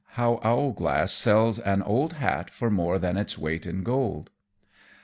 _How Owlglass sells an Old Hat for more than its Weight in Gold.